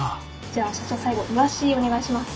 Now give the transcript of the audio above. じゃあ社長最後イワシお願いします！